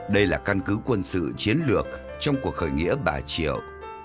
đây là căn cứ quân sự chiến lược trong cuộc khởi nghĩa bà triệu